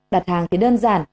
đặt hàng thì đơn giản